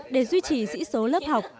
để duy trì sĩ số lớp học